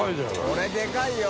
海でかいよ。